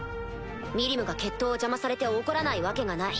ミリムが決闘を邪魔されて怒らないわけがない。